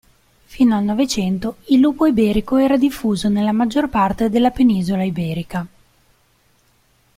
Fino al Novecento, il lupo iberico era diffuso nella maggior parte della Penisola iberica.